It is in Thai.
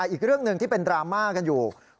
อีกเรื่องหนึ่งที่เป็นดราม่ากันอยู่